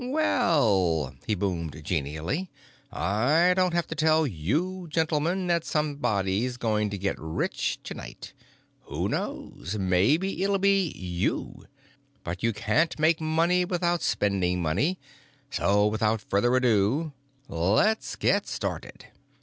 "Well," he boomed genially, "I don't have to tell you gentlemen that somebody's going to get rich tonight. Who knows—maybe it'll be you? But you can't make money without spending money, so without any further ado, let's get started.